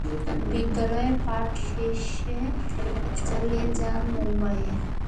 বিদ্যালয়ের পাঠ শেষে চলে যান মুম্বইতে।